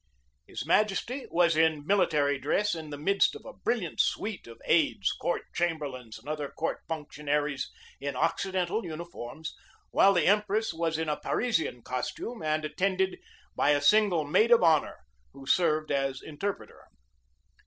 His Majesty was in military dress in the midst of a brilliant suite COMMAND OF ASIATIC SQUADRON 177 of aids, court chamberlains, and other court func tionaries in occidental uniforms, while the Empress was in a Parisian costume and attended by a single maid of honor, who served as interpreter.